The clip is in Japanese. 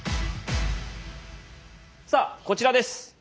さあこちらです。